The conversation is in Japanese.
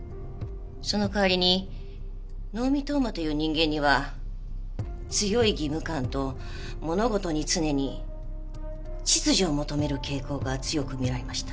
その代わりに能見冬馬という人間には強い義務感と物事に常に秩序を求める傾向が強く見られました。